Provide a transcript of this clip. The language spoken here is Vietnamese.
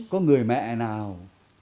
có người mẹ nào